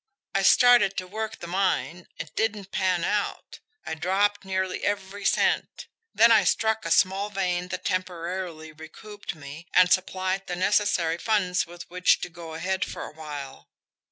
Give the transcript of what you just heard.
I started to work the mine. It didn't pan out. I dropped nearly every cent. Then I struck a small vein that temporarily recouped me, and supplied the necessary funds with which to go ahead for a while.